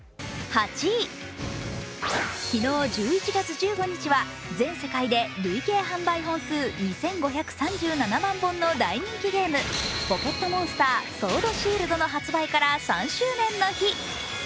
昨日１１月１５日は全世界で累計販売本数２５３７万本の大人気ゲーム、「ポケットモンスターソード・シールド」の発売から３周年の日。